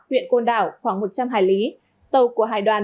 huyện côn đảo khoảng một trăm linh hải lý tàu của hải đoàn ba mươi hai